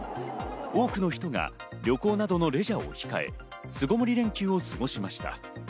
多くの人が旅行などのレジャーを控え、巣ごもり連休を過ごしました。